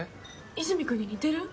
和泉君に似てる？